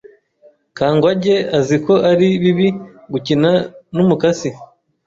Kangwage azi ko ari bibi gukina numukasi.